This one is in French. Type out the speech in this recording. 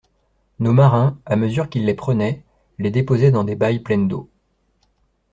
Nos marins, à mesure qu'ils les prenaient, les déposaient dans des bailles pleines d'eau.